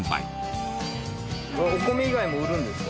お米以外も売るんですか？